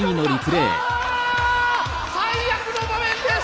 最悪の場面です！